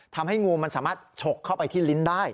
ทำให้งูมันสามารถฉกเข้าไปที่ลิ้นได้